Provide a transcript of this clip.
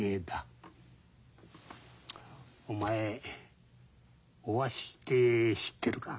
お前おアシって知ってるか？